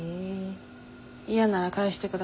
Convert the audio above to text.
嫌なら返して下さい。